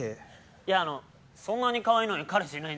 いやそんなにかわいいのに彼氏いないんだって。